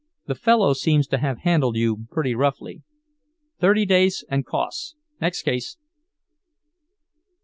The fellow seems to have handled you pretty roughly. Thirty days and costs. Next case."